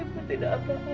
ibu tidak apa apa